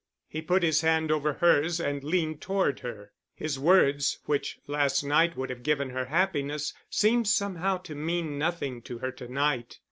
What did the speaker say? He put his hand over hers and leaned toward her. His words, which last night would have given her happiness, seemed somehow to mean nothing to her to night.